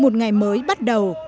một ngày mới bắt đầu